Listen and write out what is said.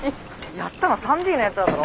やったの３Ｄのやつらだろ？